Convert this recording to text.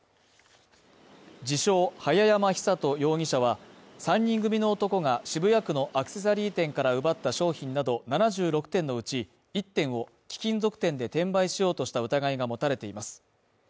自称早山尚人容疑者は、３人組の男が、渋谷区のアクセサリー店から奪った商品など７６点のうち、１点を貴金属店で転売しようとした疑いが持たれています。